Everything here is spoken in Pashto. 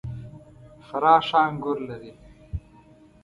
فراه ښه انګور لري .